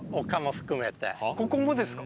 ここもですか？